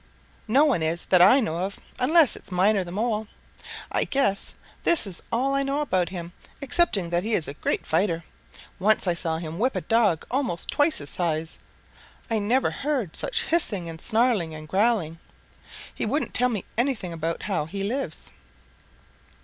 No one is that I know of, unless it is Miner the Mole. I guess this is all I know about him, excepting that he is a great fighter. Once I saw him whip a dog almost twice his size. I never heard such hissing and snarling and growling. He wouldn't tell me anything about how he lives."